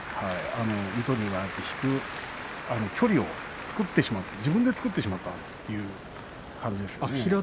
水戸龍が距離を作ってしまう自分で作ってしまったという感じですかね。